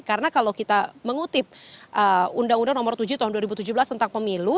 karena kalau kita mengutip undang undang nomor tujuh tahun dua ribu tujuh belas tentang pemilu